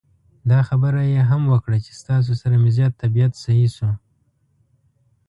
دا خبره یې هم وکړه چې ستاسو سره مې زیات طبعیت سهی شو.